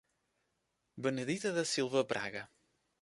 Benedita da Silva Braga